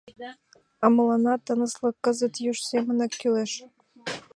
А мыланна тыныслык кызыт юж семынак кӱлеш.